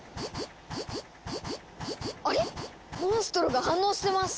あれ⁉モンストロが反応してます！